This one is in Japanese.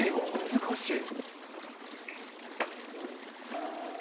難しい。